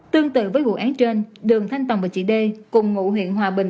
tương tự với vụ án trên đường thanh tòng và chị d cùng ngụ huyện hòa bình